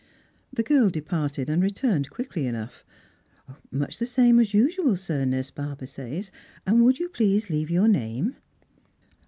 The girl departed, and returned quickly enough. " Much the same as usual, sir, Nurse Barber says, and would you please leave your name